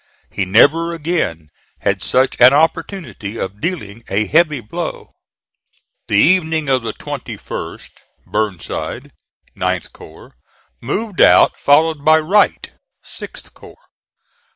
He never again had such an opportunity of dealing a heavy blow. The evening of the 21st Burnside, 9th corps, moved out followed by Wright, 6th corps.